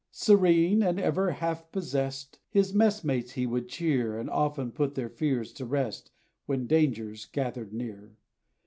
Serene, and ever self possessed, His mess mates he would cheer, And often put their fears to rest, When dangers gathered near.